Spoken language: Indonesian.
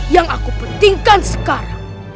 yang aku pentingkan sekarang